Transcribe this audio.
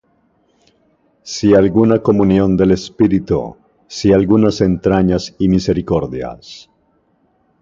si alguna comunión del Espíritu; si algunas entrañas y misericordias,